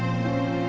kamu mau ngerti